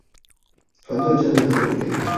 團隊真的很努力